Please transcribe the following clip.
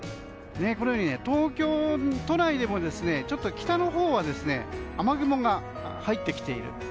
東京都内でもちょっと北のほうは雨雲が入ってきている。